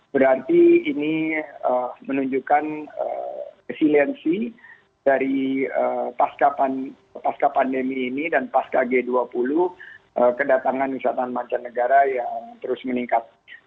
berarti ini menunjukkan resiliensi dari pasca pandemi ini dan pasca g dua puluh kedatangan wisatawan mancanegara yang terus meningkat